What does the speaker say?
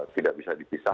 tidak bisa dipisahkan